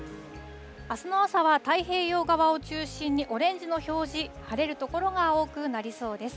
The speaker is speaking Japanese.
あすの朝は太平洋側を中心にオレンジの表示、晴れる所が多くなりそうです。